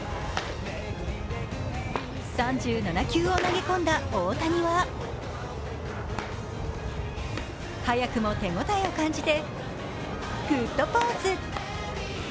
３７球を投げ込んだ大谷は早くも手ごたえを感じてグッドポーズ。